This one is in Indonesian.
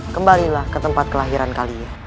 kembalilah ke tempat kelahiran kalinya